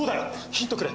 ヒントくれ。